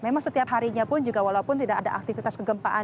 memang setiap harinya pun juga walaupun tidak ada aktivitas kegempaan